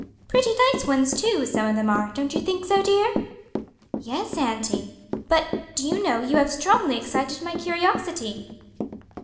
"Pretty nice ones, too, some of them are; don't you think so, dear?" "Yes, auntie; but do you know you have strongly excited my curiosity?"